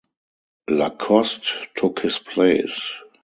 Lacoste took his place.